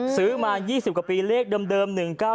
ซื้อมา๒๐กว่าปีเลขเดิม๑๙๙